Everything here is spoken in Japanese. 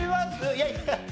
いやいや。